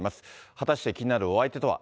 果たして、気になるお相手とは。